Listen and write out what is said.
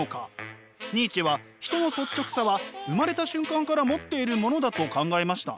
ニーチェは人の率直さは生まれた瞬間から持っているものだと考えました。